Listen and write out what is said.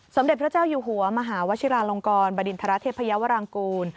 สมเด็จพระเจ้าอยู่หัวมหาวชิราลงกรบดินทรเทพยาวรางกูล